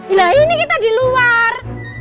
lah ini kita di luar